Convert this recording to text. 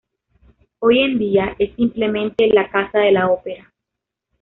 Hoy en día, es simplemente "La Casa de la Ópera".